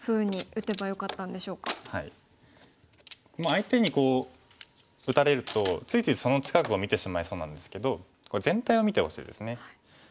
相手に打たれるとついついその近くを見てしまいそうなんですけど全体を見てほしいですね。